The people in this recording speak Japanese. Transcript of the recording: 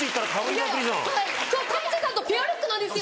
今日田臥さんとペアルックなんですよ。